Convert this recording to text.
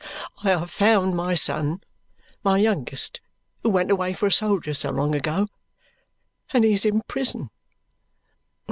I have found my son my youngest, who went away for a soldier so long ago. And he is in prison."